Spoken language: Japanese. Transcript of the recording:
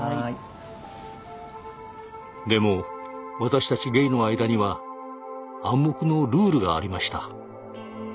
でも私たちゲイの間には暗黙のルールがありました。